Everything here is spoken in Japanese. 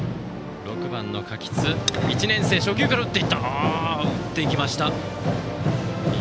６番の垣津、１年生初球から打っていきました。